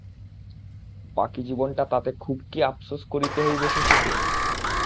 বাকি জীবনটা তাতে খুব কি আপসোস করিতে হইবে শশীকে?